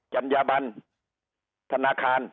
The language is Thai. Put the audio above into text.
จัญญาบันธนาคาร